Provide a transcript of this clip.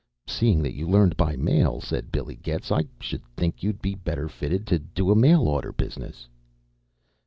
"Seeing that you learned by mail," said Billy Getz, "I should think you'd be better fitted to do a mail order business."